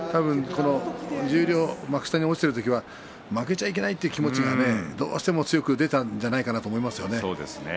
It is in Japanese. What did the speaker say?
十両幕下に落ちている時は負けちゃいけないで気持ちがどうしても強く出たんじゃないかなと思います。